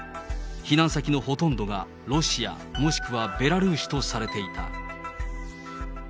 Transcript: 避難先のほとんどがロシア、もしくはベラルーシとされていた。